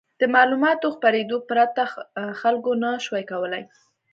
د معلوماتو خپرېدو پرته خلکو نه شوای کولای.